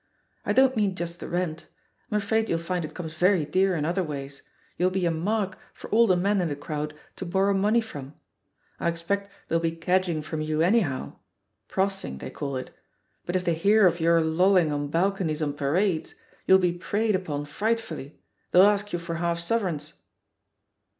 I don't mean just the rent; I'm afraid you'll find it comes very dear in other ways — you'll be a 'mark' for all the men in the crowd to borrow money from. I expect they'll be cadging from you anyhow — *prossing,' they call it — ^but if they hear of your lolling on balconies on Parades, you'll be preyed upon frightfully; they'll ask you for half sovereigns."